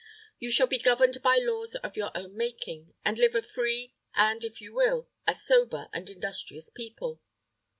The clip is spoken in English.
"You shall be governed by laws of your own making, and live a free, and, if you will, a sober and industrious people."